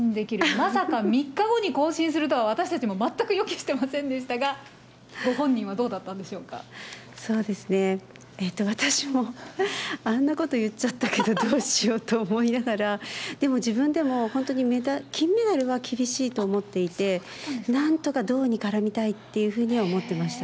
まさか３日後に更新するとは私たちも全く予期してませんでしたが、そうですね、私もあんなこと言っちゃったけどどうしようと思いながら、でも自分でも本当に金メダルは厳しいと思っていて、なんとか銅に絡みたいっていうふうには思ってました。